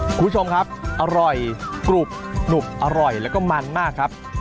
คุณผู้ชมครับอร่อยกรุบหนุบอร่อยแล้วก็มันมากครับ